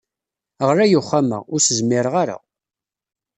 Ɣlay uxxam-a, ur as-zmireɣ ara.